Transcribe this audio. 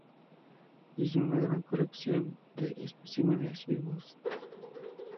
Hizo una gran colección de especímenes vivos.